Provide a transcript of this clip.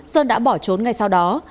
sơn đã bỏ trốn ngay sau đó